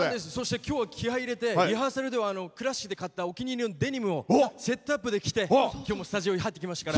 今日は気合いを入れてリハーサルでは倉敷で買ったお気に入りのセットアップで着て今日もスタジオに入ってきましたから。